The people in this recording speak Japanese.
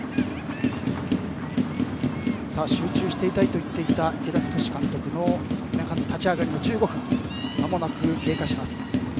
集中していきたいと言っていた池田太監督の前半立ち上がりの１５分がまもなく経過します。